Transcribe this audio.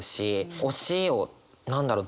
推しを何だろう？